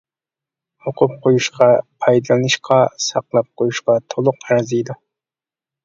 ئوقۇپ قويۇشقا، پايدىلىنىشقا، ساقلاپ قويۇشقا تولۇق ئەرزىيدۇ!